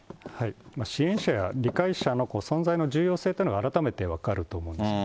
支援者や理解者の存在の重要性というのが改めて分かると思うんです。